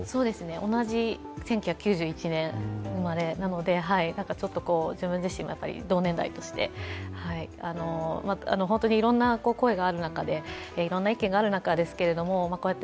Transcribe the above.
同じ１９９１年生まれなのでちょっと自分自身も同年代として、本当にいろいろな声がある中で、いろんな意見がある中ですけれども、こうやって